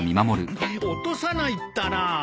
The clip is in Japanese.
落とさないったら！